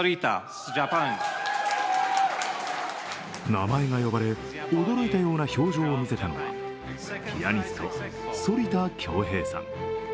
名前が呼ばれ、驚いたような表情を見せたのはピアニスト・反田恭平さん。